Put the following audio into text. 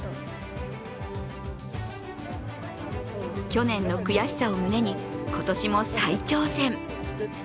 去年の悔しさを胸に、今年も再挑戦。